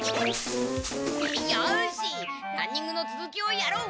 よしランニングのつづきをやろう！